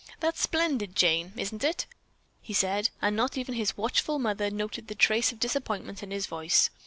"That's splendid, Jane, isn't it?" he said, and not even his watchful mother noted a trace of disappointment in his voice.